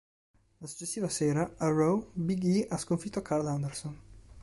La successiva sera, a "Raw", Big E ha sconfitto Karl Anderson.